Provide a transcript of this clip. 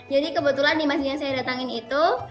jadi kebetulan di masjid yang saya datangkan itu